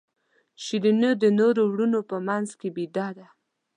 شیرینو د نورو وروڼو په منځ کې بېده ده.